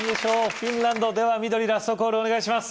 フィンランドでは緑ラストコールお願いします